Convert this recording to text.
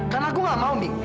karena aku nggak mau mi